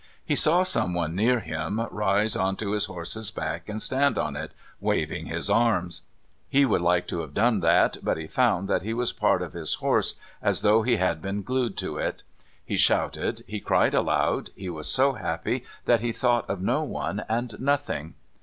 He saw someone near him rise on to his horse's back and stand on it, waving his arms. He would like to have done that, but he found that he was part of his horse, as though he had been glued to it. He shouted, he cried aloud, he was so happy that he thought of no one and nothing...